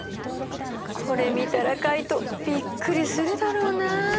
これ見たらカイトびっくりするだろうなあ。